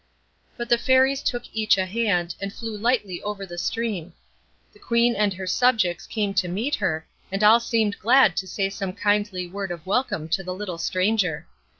But the Fairies took each a hand, and flew lightly over the stream. The Queen and her subjects came to meet her, and all seemed glad to say some kindly word of welcome to the little stranger.